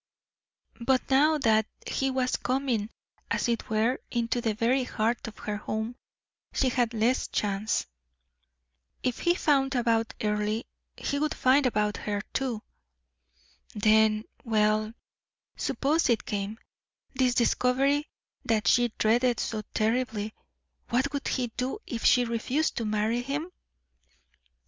But now that he was coming, as it were, into the very heart of her home, she had less chance. If he found out about Earle, he would find out about her, too. Then well, suppose it came, this discovery that she dreaded so terribly, what would he do if she refused to marry him?